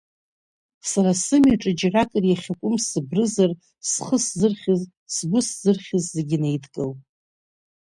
Са сымҩаҿы џьаракыр иахьакәым сыбрызар, схы сзырхьыз, сгәы сзырхьыз зегь неидкыл.